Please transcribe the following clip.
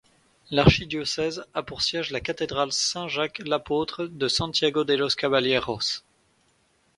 L'archidiocèse a pour siège la Cathédrale Saint-Jacques-l'Apôtre de Santiago de los Caballeros.